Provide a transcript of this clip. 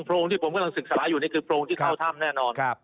โรงที่ผมกำลังศึกษาอยู่นี่คือโพรงที่เข้าถ้ำแน่นอน